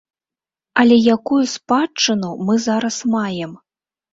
Але якую спадчыну мы зараз маем?